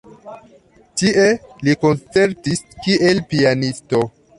Ĉie li koncertis kiel pianisto.